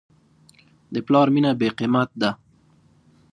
د پلار مینه بېقیمت ده.